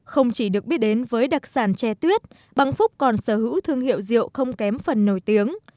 không chỉ được biết đến với đặc sản tre tuyết băng phúc còn sở hữu thương hiệu rượu không kém phần nổi tiếng